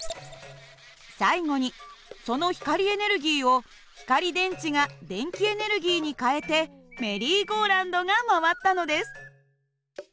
最後にその光エネルギーを光電池が電気エネルギーに変えてメリーゴーラウンドが回ったのです。